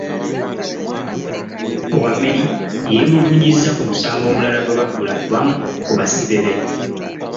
Wameli yeemulugunyizza ku musango omulala gwe baggula ku bamu ku basibe be.